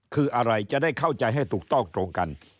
คืออะไรจะได้เข้าใจให้ถูกต้องตรงกัน